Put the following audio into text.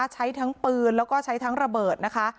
ใช้ทั้งปืนแล้วก็ใช้ทั้งระเบิดนะคะ